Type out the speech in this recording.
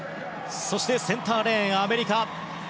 そして、センターレーンアメリカ。